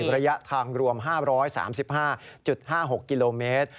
ระยะทางรวม๕๓๕๕๖กิโลเมตร